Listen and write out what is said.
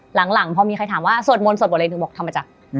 หลังพอมีใครถามว่าสวดมนต์สวดบทอะไรหนูบอกทำมาจาก